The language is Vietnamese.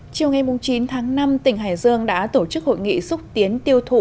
chiều ngày chín tháng năm tỉnh hải dương đã tổ chức hội nghị xúc tiến tiêu thụ